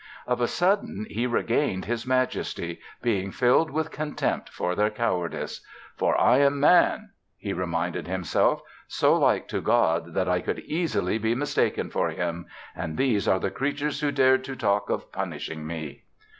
Of a sudden he regained his majesty, being filled with contempt for their cowardice. "For I am Man," he reminded himself, "so like to God that I could easily be mistaken for Him and these are the creatures who dared to talk of punishing me."